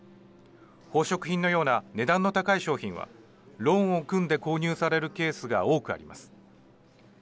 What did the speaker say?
宝飾品のような値段の高い商品はローンを組んで購入されるケースが多くあります。